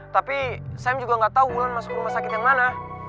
tapi saya juga nggak tahu wulan masuk rumah sakit yang mana